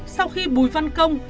sau khi bùi văn công